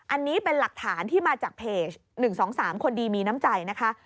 อันนี้เป็นหลักฐานที่มาจากเพจ๑๒๓คนดีมีน้ำใจนะคะ